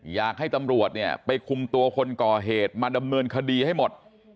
อยากให้ตำรวจเนี่ยไปคุมตัวคนก่อเหตุมาดำเนินคดีให้หมด